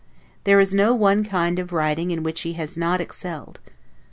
There is no one kind of writing in which he has not excelled.